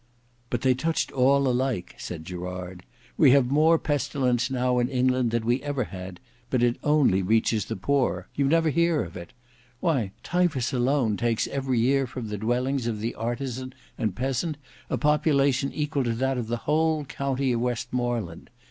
"But they touched all alike," said Gerard. "We have more pestilence now in England than we ever had, but it only reaches the poor. You never hear of it. Why Typhus alone takes every year from the dwellings of the artisan and peasant a population equal to that of the whole county of Westmoreland.